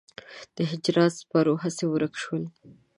د هجران سپرو هسې ورک شول.